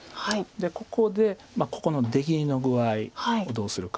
でここでここの出切りの具合をどうするか。